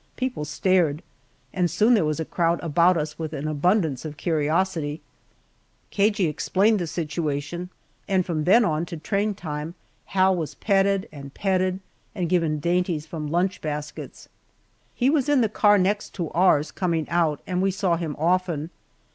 People stared, and soon there was a crowd about us with an abundance of curiosity. Cagey explained the situation, and from then on to train time, Hal was patted and petted and given dainties from lunch baskets. He was in the car next to ours, coming out, and we saw him often.